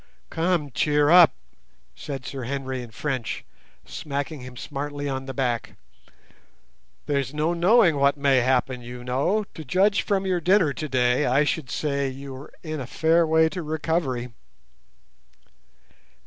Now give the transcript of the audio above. "Come, cheer up!" said Sir Henry in French, smacking him smartly on the back. "There's no knowing what may happen, you know. To judge from your dinner today, I should say you were in a fair way to recovery."